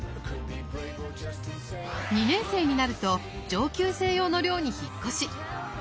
２年生になると上級生用の寮に引っ越し。